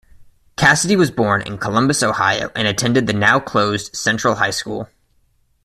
Cassady was born in Columbus, Ohio and attended the now closed Central High School.